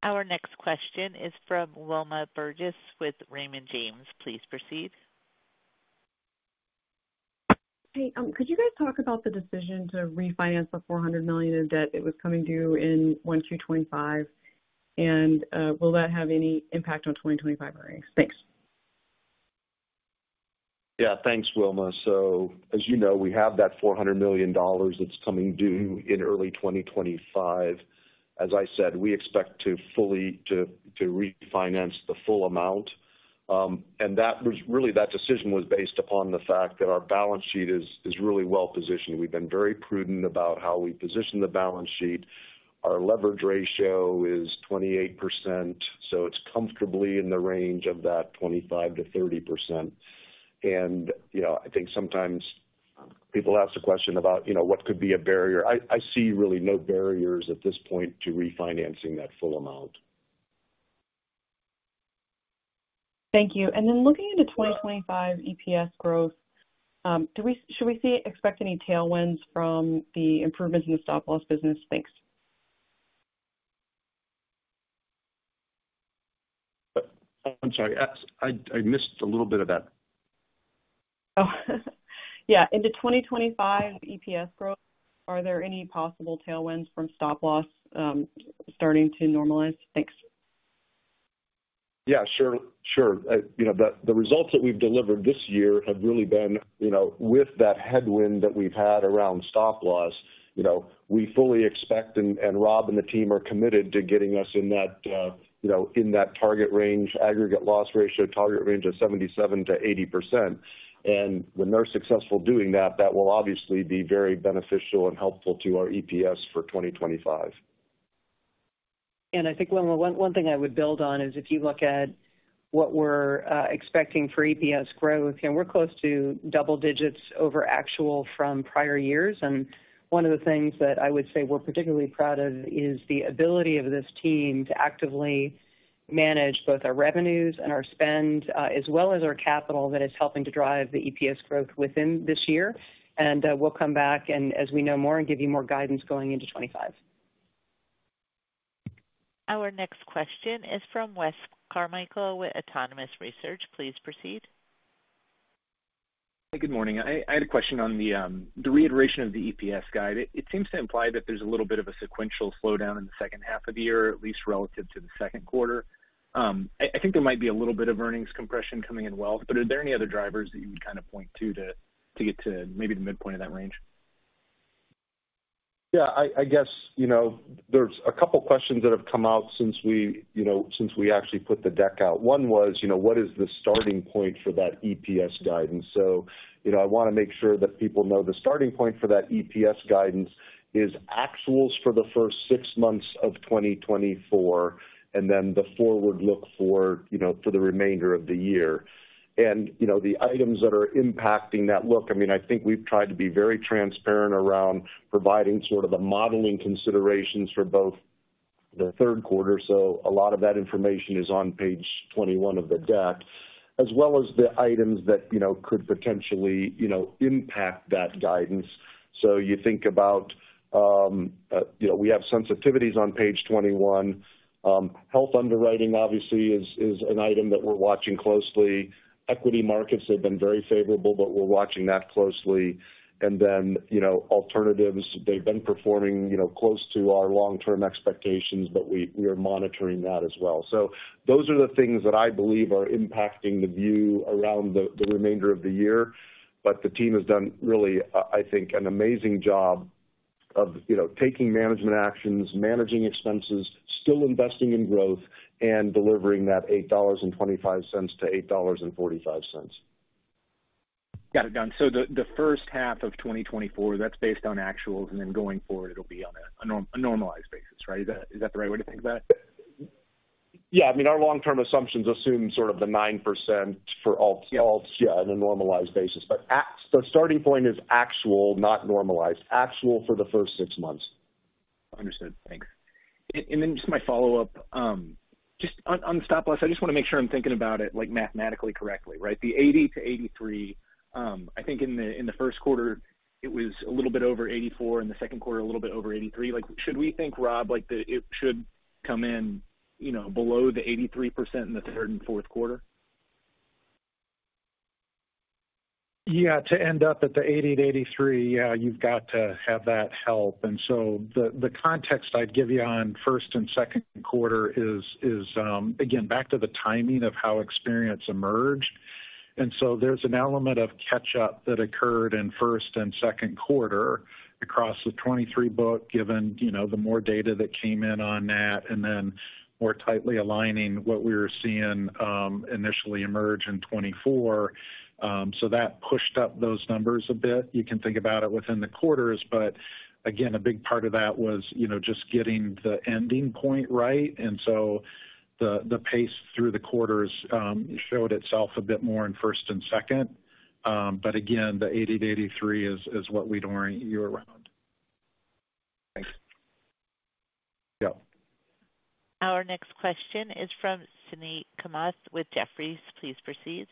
Speaker 1: Our next question is from Wilma Burdis with Raymond James. Please proceed.
Speaker 12: Hey, could you guys talk about the decision to refinance the $400 million in debt that was coming due in 2022, 2025? And will that have any impact on 2025 earnings? Thanks.
Speaker 4: Yeah, thanks, Wilma. So as you know, we have that $400 million that's coming due in early 2025. As I said, we expect to fully refinance the full amount. And really, that decision was based upon the fact that our balance sheet is really well positioned. We've been very prudent about how we position the balance sheet. Our leverage ratio is 28%, so it's comfortably in the range of that 25%-30%. And I think sometimes people ask the question about what could be a barrier. I see really no barriers at this point to refinancing that full amount.
Speaker 12: Thank you. And then looking into 2025 EPS growth, should we expect any tailwinds from the improvements in the Stop Loss business? Thanks.
Speaker 4: I'm sorry. I missed a little bit of that.
Speaker 12: Oh, yeah. Into 2025 EPS growth, are there any possible tailwinds from Stop Loss starting to normalize? Thanks.
Speaker 4: Yeah, sure. Sure. The results that we've delivered this year have really been with that headwind that we've had around Stop Loss, we fully expect, and Rob and the team are committed to getting us in that target range, aggregate loss ratio, target range of 77%-80%. And when they're successful doing that, that will obviously be very beneficial and helpful to our EPS for 2025.
Speaker 3: And I think one thing I would build on is if you look at what we're expecting for EPS growth, we're close to double digits over actual from prior years. One of the things that I would say we're particularly proud of is the ability of this team to actively manage both our revenues and our spend, as well as our capital that is helping to drive the EPS growth within this year. We'll come back and, as we know more, give you more guidance going into 2025.
Speaker 1: Our next question is from Wes Carmichael with Autonomous Research. Please proceed.
Speaker 13: Hey, good morning. I had a question on the reiteration of the EPS guide. It seems to imply that there's a little bit of a sequential slowdown in the second half of the year, at least relative to the second quarter. I think there might be a little bit of earnings compression coming in Wealth, but are there any other drivers that you would kind of point to to get to maybe the midpoint of that range?
Speaker 4: Yeah, I guess there's a couple of questions that have come out since we actually put the deck out. One was, what is the starting point for that EPS guidance? So I want to make sure that people know the starting point for that EPS guidance is actuals for the first six months of 2024 and then the forward look for the remainder of the year. And the items that are impacting that look, I mean, I think we've tried to be very transparent around providing sort of the modeling considerations for both the third quarter. So a lot of that information is on page 21 of the deck, as well as the items that could potentially impact that guidance. So you think about, we have sensitivities on page 21. Health underwriting, obviously, is an item that we're watching closely. Equity markets, they've been very favorable, but we're watching that closely. And then alternatives, they've been performing close to our long-term expectations, but we are monitoring that as well. So those are the things that I believe are impacting the view around the remainder of the year. But the team has done really, I think, an amazing job of taking management actions, managing expenses, still investing in growth, and delivering that $8.25-$8.45.
Speaker 13: Got it, Don. So the first half of 2024, that's based on actuals, and then going forward, it'll be on a normalized basis, right? Is that the right way to think about it?
Speaker 4: Yeah. I mean, our long-term assumptions assume sort of the 9% for all, yeah, on a normalized basis. But the starting point is actual, not normalized. Actual for the first six months.
Speaker 13: Understood. Thanks. And then just my follow-up, just on Stop Loss, I just want to make sure I'm thinking about it mathematically correctly, right? The 80%-83%, I think in the first quarter, it was a little bit over 84%, and the second quarter, a little bit over 83%. Should we think, Rob, that it should come in below the 83% in the third and fourth quarter?
Speaker 6: Yeah. To end up at the 80%-83%, yeah, you've got to have that help. And so the context I'd give you on first and second quarter is, again, back to the timing of how experience emerged. And so there's an element of catch-up that occurred in first and second quarter across the 2023 book, given the more data that came in on that, and then more tightly aligning what we were seeing initially emerge in 2024. So that pushed up those numbers a bit. You can think about it within the quarters, but again, a big part of that was just getting the ending point right. And so the pace through the quarters showed itself a bit more in first and second. But again, the 80%-83% is what we'd orient you around.
Speaker 13: Thanks.
Speaker 6: Yeah.
Speaker 1: Our next question is from Suneet Kamath with Jefferies. Please proceed.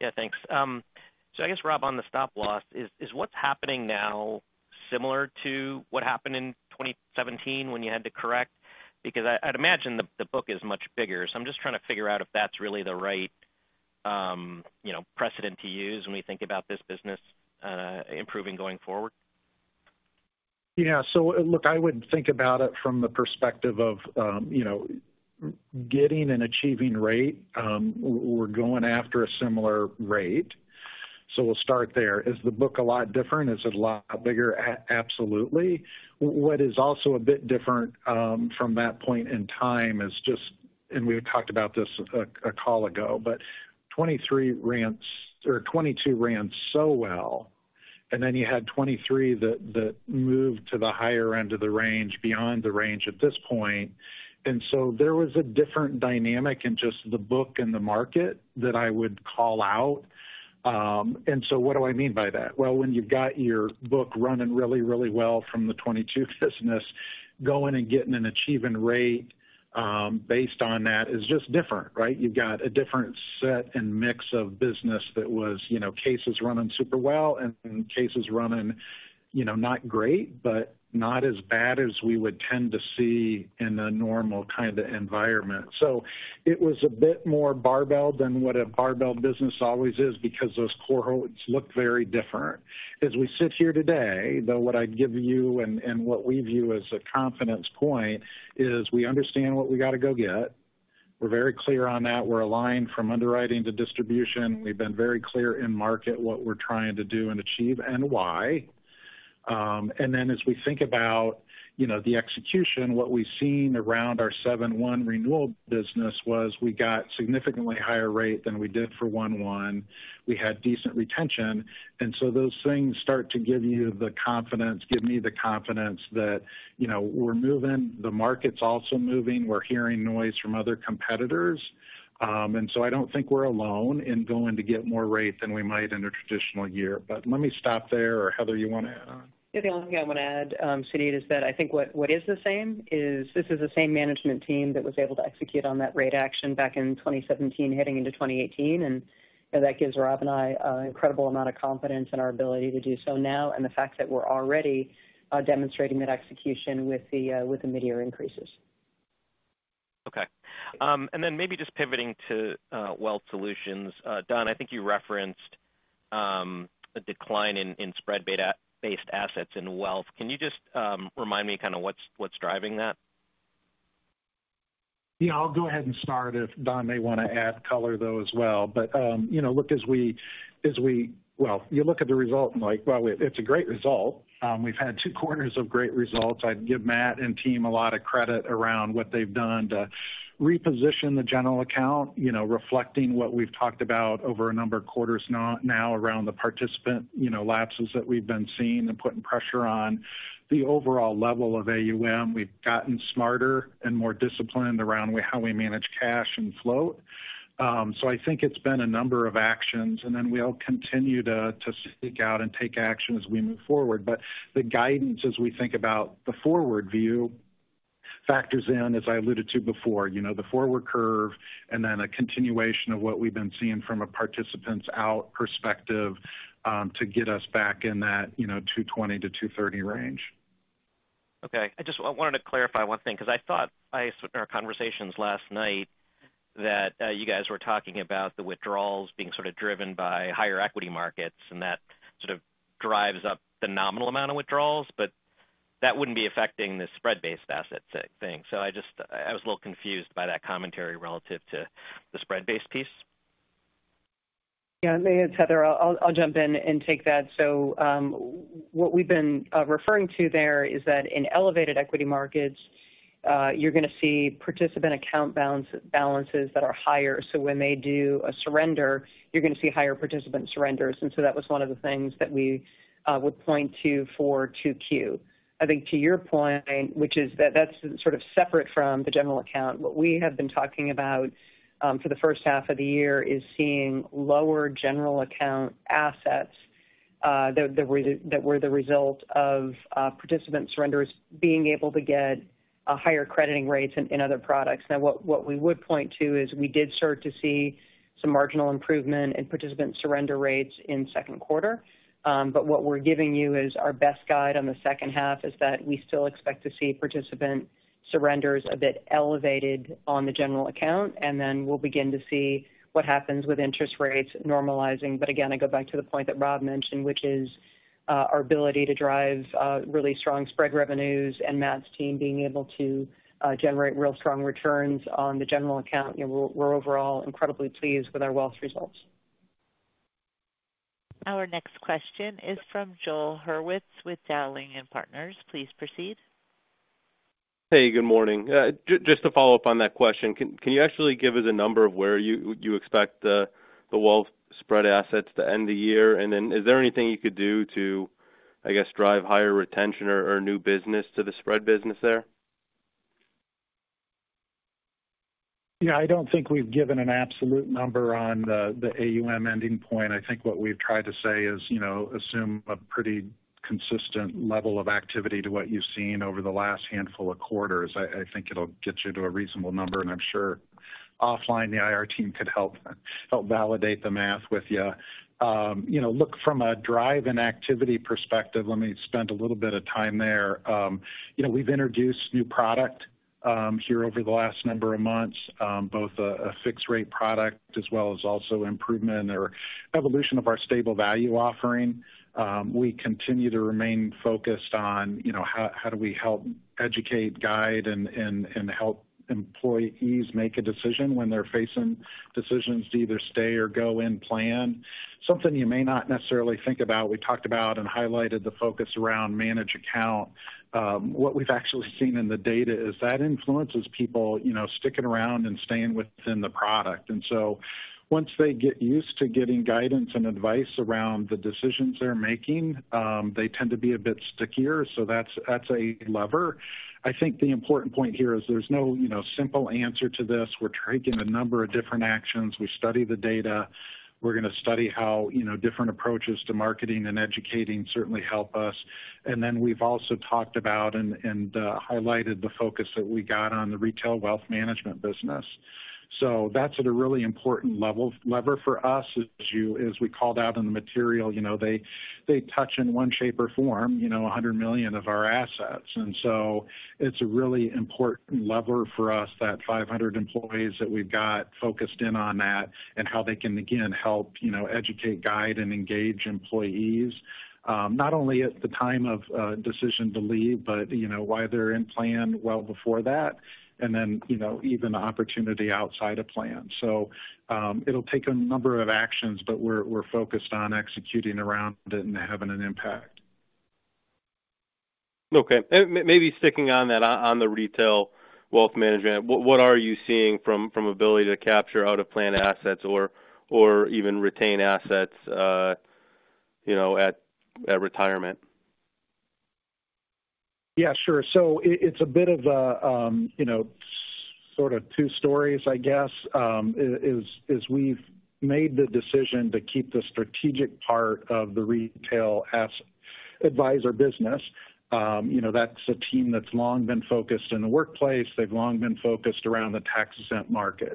Speaker 14: Yeah, thanks. So I guess, Rob, on the Stop Loss, is what's happening now similar to what happened in 2017 when you had to correct? Because I'd imagine the book is much bigger. So I'm just trying to figure out if that's really the right precedent to use when we think about this business improving going forward.
Speaker 6: Yeah. So look, I would think about it from the perspective of getting an achieving rate. We're going after a similar rate. So we'll start there. Is the book a lot different? Is it a lot bigger? Absolutely. What is also a bit different from that point in time is just, and we talked about this a call ago, but 2023 ranks or 2022 ranks so well, and then you had 2023 that moved to the higher end of the range beyond the range at this point. And so there was a different dynamic in just the book and the market that I would call out. And so what do I mean by that? Well, when you've got your book running really, really well from the 2022 business, going and getting an achieving rate based on that is just different, right? You've got a different set and mix of business that was cases running super well and cases running not great, but not as bad as we would tend to see in a normal kind of environment. So it was a bit more barbell than what a barbell business always is because those core holds look very different. As we sit here today, though, what I'd give you and what we view as a confidence point is we understand what we got to go get. We're very clear on that. We're aligned from underwriting to distribution. We've been very clear in market what we're trying to do and achieve and why. And then as we think about the execution, what we've seen around our 7/1 renewal business was we got significantly higher rate than we did for 1/1. We had decent retention. And so those things start to give you the confidence, give me the confidence that we're moving. The market's also moving. We're hearing noise from other competitors. And so I don't think we're alone in going to get more rate than we might in a traditional year. But let me stop there. Or Heather, you want to?
Speaker 3: Yeah, the only thing I want to add, Suneet, is that I think what is the same is this is the same management team that was able to execute on that rate action back in 2017 heading into 2018. And that gives Rob and I an incredible amount of confidence in our ability to do so now and the fact that we're already demonstrating that execution with the mid-year increases.
Speaker 14: Okay. And then maybe just pivoting to Workplace Solutions, Don, I think you referenced a decline in spread-based assets in Wealth. Can you just remind me kind of what's driving that?
Speaker 6: Yeah, I'll go ahead and start if Don may want to add color, though, as well. But look, as we well, you look at the result and like, well, it's a great result. We've had two quarters of great results. I'd give Matt and team a lot of credit around what they've done to reposition the general account, reflecting what we've talked about over a number of quarters now around the participant lapses that we've been seeing and putting pressure on the overall level of AUM. We've gotten smarter and more disciplined around how we manage cash and float. So I think it's been a number of actions, and then we'll continue to seek out and take action as we move forward. But the guidance, as we think about the forward view, factors in, as I alluded to before, the forward curve, and then a continuation of what we've been seeing from a participants-out perspective to get us back in that 220-230 range.
Speaker 14: Okay. I just wanted to clarify one thing because I thought I swear our conversations last night that you guys were talking about the withdrawals being sort of driven by higher equity markets and that sort of drives up the nominal amount of withdrawals, but that wouldn't be affecting the spread-based asset thing. So I was a little confused by that commentary relative to the spread-based piece.
Speaker 3: Yeah. And Suneet, I'll jump in and take that. So what we've been referring to there is that in elevated equity markets, you're going to see participant account balances that are higher. So when they do a surrender, you're going to see higher participant surrenders. And so that was one of the things that we would point to for 2Q. I think to your point, which is that that's sort of separate from the general account, what we have been talking about for the first half of the year is seeing lower general account assets that were the result of participant surrenders being able to get higher crediting rates in other products. Now, what we would point to is we did start to see some marginal improvement in participant surrender rates in second quarter. But what we're giving you is our best guide on the second half is that we still expect to see participant surrenders a bit elevated on the general account. And then we'll begin to see what happens with interest rates normalizing. But again, I go back to the point that Rob mentioned, which is our ability to drive really strong spread revenues and Matt's team being able to generate real strong returns on the general account. We're overall incredibly pleased with our Wealth results.
Speaker 1: Our next question is from Joel Hurwitz with Dowling & Partners. Please proceed.
Speaker 15: Hey, good morning. Just to follow up on that question, can you actually give us a number of where you expect the Wealth spread assets to end the year? And then is there anything you could do to, I guess, drive higher retention or new business to the spread business there?
Speaker 6: Yeah, I don't think we've given an absolute number on the AUM ending point. I think what we've tried to say is assume a pretty consistent level of activity to what you've seen over the last handful of quarters. I think it'll get you to a reasonable number. I'm sure offline, the IR team could help validate the math with you. Look, from a drive and activity perspective, let me spend a little bit of time there. We've introduced new product here over the last number of months, both a fixed-rate product as well as also improvement or evolution of our stable value offering. We continue to remain focused on how do we help educate, guide, and help employees make a decision when they're facing decisions to either stay or go in plan. Something you may not necessarily think about, we talked about and highlighted the focus around managed account. What we've actually seen in the data is that influences people sticking around and staying within the product. So once they get used to getting guidance and advice around the decisions they're making, they tend to be a bit stickier. So that's a lever. I think the important point here is there's no simple answer to this. We're taking a number of different actions. We study the data. We're going to study how different approaches to marketing and educating certainly help us. And then we've also talked about and highlighted the focus that we got on the Retail Wealth Management business. So that's a really important lever for us. As we called out in the material, they touch in one shape or form $100 million of our assets. And so it's a really important lever for us, that 500 employees that we've got focused in on that and how they can, again, help educate, guide, and engage employees, not only at the time of decision to leave, but why they're in plan well before that, and then even the opportunity outside of plan. So it'll take a number of actions, but we're focused on executing around it and having an impact.
Speaker 15: Okay. Maybe sticking on that on the Retail Wealth Management, what are you seeing from ability to capture out-of-plan assets or even retain assets at retirement?
Speaker 6: Yeah, sure. So it's a bit of a sort of two stories, I guess, as we've made the decision to keep the strategic part of the retail advisor business. That's a team that's long been focused in the workplace. They've long been focused around the tax-exempt market.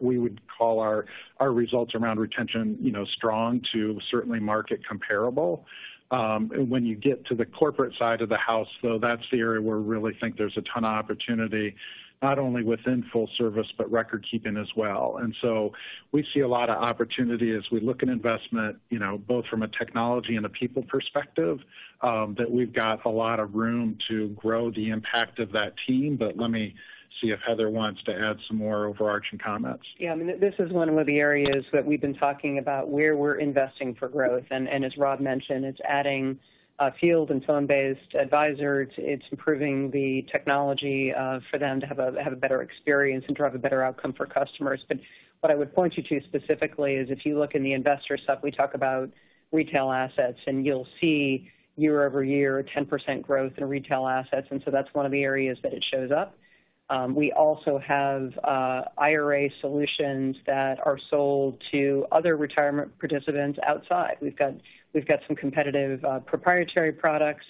Speaker 6: We would call our results around retention strong, too, certainly market comparable. When you get to the corporate side of the house, though, that's the area where we really think there's a ton of opportunity, not only within full service, but record-keeping as well. We see a lot of opportunity as we look at investment, both from a technology and a people perspective, that we've got a lot of room to grow the impact of that team. But let me see if Heather wants to add some more overarching comments.
Speaker 3: Yeah. I mean, this is one of the areas that we've been talking about where we're investing for growth. As Rob mentioned, it's adding a field and phone-based advisor. It's improving the technology for them to have a better experience and drive a better outcome for customers. But what I would point you to specifically is if you look in the investor stuff, we talk about retail assets, and you'll see year-over-year 10% growth in retail assets. And so that's one of the areas that it shows up. We also have IRA solutions that are sold to other retirement participants outside. We've got some competitive proprietary products.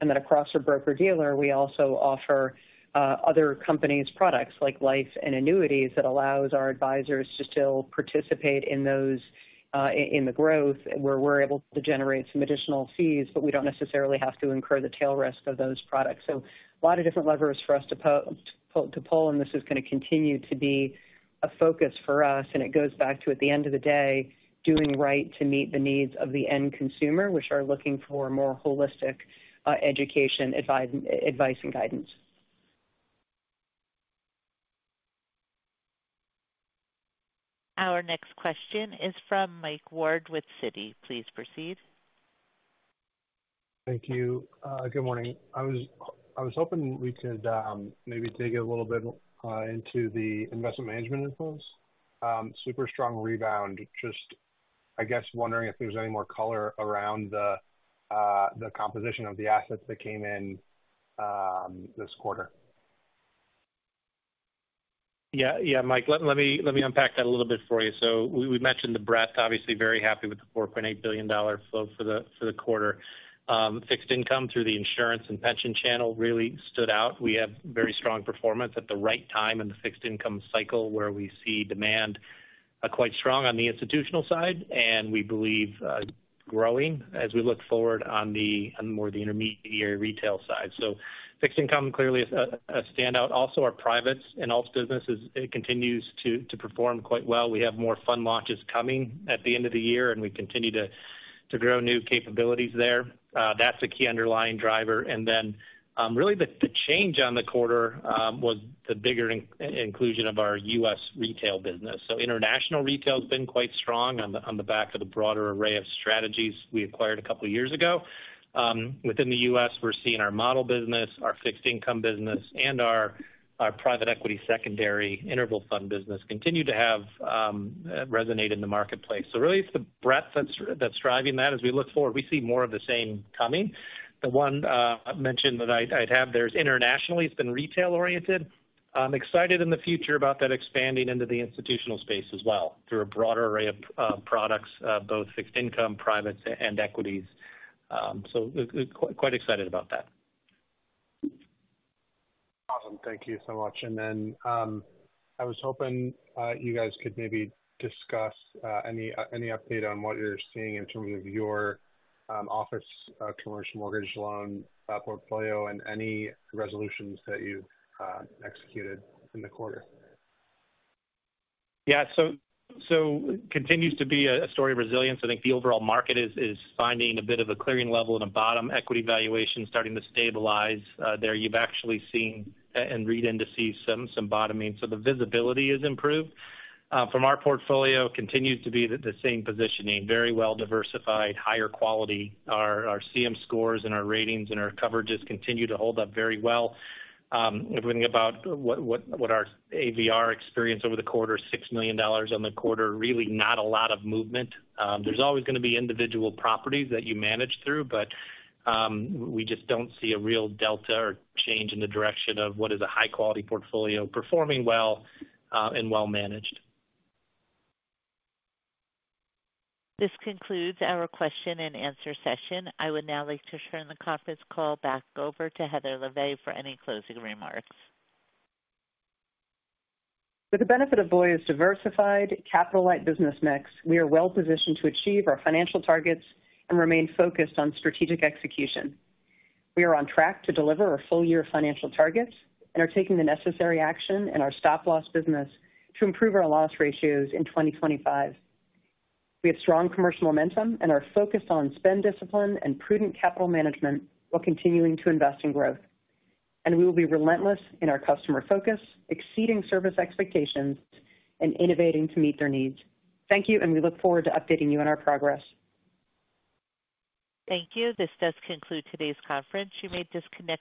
Speaker 3: And then across our broker-dealer, we also offer other companies' products like life and annuities that allows our advisors to still participate in the growth where we're able to generate some additional fees, but we don't necessarily have to incur the tail risk of those products. So a lot of different levers for us to pull. And this is going to continue to be a focus for us. It goes back to, at the end of the day, doing right to meet the needs of the end consumer, which are looking for more holistic education, advice, and guidance.
Speaker 1: Our next question is from Mike Ward with Citi. Please proceed.
Speaker 16: Thank you. Good morning. I was hoping we could maybe dig a little bit into the Investment Management inflows. Super strong rebound. Just, I guess, wondering if there's any more color around the composition of the assets that came in this quarter.
Speaker 8: Yeah. Yeah, Mike, let me unpack that a little bit for you. So we mentioned the breadth. Obviously, very happy with the $4.8 billion flow for the quarter. Fixed income through the insurance and pension channel really stood out. We have very strong performance at the right time in the fixed income cycle where we see demand quite strong on the institutional side, and we believe growing as we look forward on more of the intermediary retail side. So fixed income clearly a standout. Also, our privates and alts businesses continue to perform quite well. We have more fund launches coming at the end of the year, and we continue to grow new capabilities there. That's a key underlying driver. And then really the change on the quarter was the bigger inclusion of our U.S. retail business. So international retail has been quite strong on the back of the broader array of strategies we acquired a couple of years ago. Within the U.S., we're seeing our model business, our fixed income business, and our private equity secondary interval fund business continue to have resonated in the marketplace. So really, it's the breadth that's driving that. As we look forward, we see more of the same coming. The one mention that I'd have there is internationally, it's been retail-oriented. I'm excited in the future about that expanding into the institutional space as well through a broader array of products, both fixed income, privates, and equities. So quite excited about that.
Speaker 16: Awesome. Thank you so much. And then I was hoping you guys could maybe discuss any update on what you're seeing in terms of your office commercial mortgage loan portfolio and any resolutions that you've executed in the quarter.
Speaker 8: Yeah. So it continues to be a story of resilience. I think the overall market is finding a bit of a clearing level and a bottom. Equity valuation starting to stabilize there. You've actually seen, and REIT indexes, some bottoming. So the visibility has improved. From our portfolio, it continues to be the same positioning: very well diversified, higher quality. Our CM scores and our ratings and our coverages continue to hold up very well. If we think about what our AVR experience over the quarter is, $6 million on the quarter, really not a lot of movement. There's always going to be individual properties that you manage through, but we just don't see a real delta or change in the direction of what is a high-quality portfolio performing well and well managed.
Speaker 1: This concludes our question and answer session. I would now like to turn the conference call back over to Heather Lavallee for any closing remarks.
Speaker 3: For the benefit of Voya, as diversified capital-light business mix, we are well positioned to achieve our financial targets and remain focused on strategic execution. We are on track to deliver our full-year financial targets and are taking the necessary action in our Stop Loss business to improve our loss ratios in 2025. We have strong commercial momentum and are focused on spend discipline and prudent capital management while continuing to invest in growth. We will be relentless in our customer focus, exceeding service expectations, and innovating to meet their needs. Thank you, and we look forward to updating you on our progress.
Speaker 1: Thank you. This does conclude today's conference. You may disconnect.